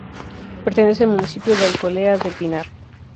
Pertenece al municipio de Alcolea del Pinar.